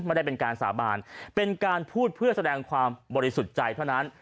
ไม่ได้เป็นการสาบานเป็นการพูดเพื่อแสดงความบริสุทธิ์ใจเท่านั้น